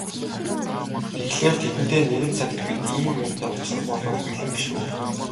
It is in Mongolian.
Тэгэхлээр тэдэнтэй нэгэн цагт бид ийм юмтай учрах болбол бэлэн биш үү?